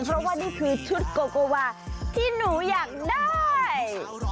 เพราะว่านี่คือชุดโกโกวาที่หนูอยากได้